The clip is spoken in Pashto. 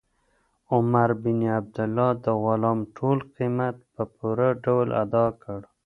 عمر بن عبیدالله د غلام ټول قیمت په پوره ډول ادا کړ.